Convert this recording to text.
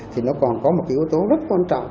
thì nó còn có một cái yếu tố rất quan trọng